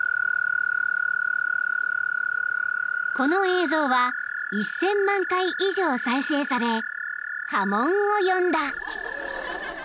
［この映像は１，０００万回以上再生され波紋を呼んだ］